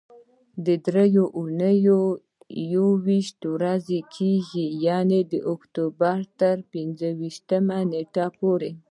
درې اونۍ یويشت ورځې کېږي، یعنې د اکتوبر تر پنځه ویشتمې نېټې پورې.